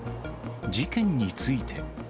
事件について。